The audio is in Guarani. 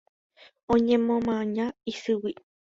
Oñemoña isýgui.